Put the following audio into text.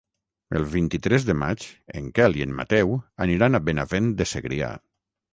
El vint-i-tres de maig en Quel i en Mateu aniran a Benavent de Segrià.